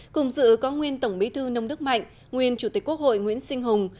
cùng dự có nguyên tổng bí thư nông đức mạnh nguyên chủ tịch quốc hội nguyễn sinh hùng